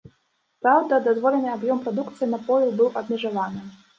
Праўда, дазволены аб'ём прадукцыі напою быў абмежаваны.